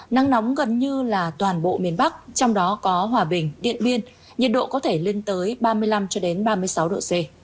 nắng nóng gần như là toàn bộ miền bắc trong đó có hòa bình điện biên nhiệt độ có thể lên tới ba mươi năm ba mươi sáu độ c